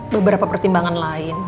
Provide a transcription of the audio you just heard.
beberapa pertimbangan lain